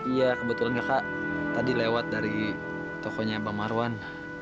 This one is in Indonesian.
iya kebetulan kakak tadi lewat dari tokonya pak marwan